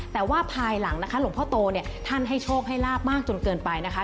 แต่ว่าภายหลังนะคะหลวงพ่อโตเนี่ยท่านให้โชคให้ลาบมากจนเกินไปนะคะ